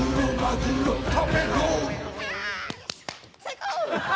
最高！